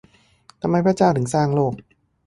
ทำไมพระเจ้าถึงสร้างโลก ?